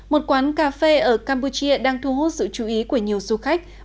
một quán cà phê ở campuchia đang thu hút sự chú ý của nhiều du khách